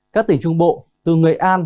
các tỉnh trung bộ từ nghệ an